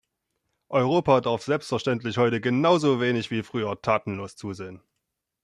Europa darf selbstverständlich heute genauso wenig wie früher tatenlos zusehen.